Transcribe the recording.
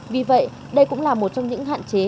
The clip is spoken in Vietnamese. vì vậy đây cũng là một trong những hạn chế